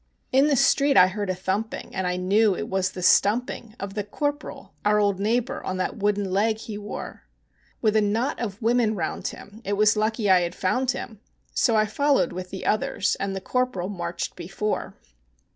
In the street I heard a thumping; and I knew it was the stumping Of the Corporal, our old neighbor, on that wooden leg he wore, With a knot of women round him, it was lucky I had found him, So I followed with the others, and the Corporal marched before.